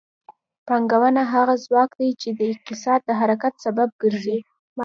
پانګونه هغه ځواک دی چې د اقتصاد د حرکت سبب ګرځي.